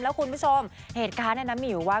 แล้วคุณผู้ชมเหตุการณ์แนะนำมีว่า